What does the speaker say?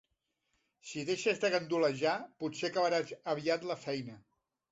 Si deixes de gandulejar potser acabaràs aviat la feina.